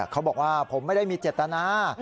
เขาบอกว่าผมไม่ได้มีเจตนา